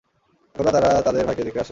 একদা তারা তাদের ভাইকে দেখতে আসে।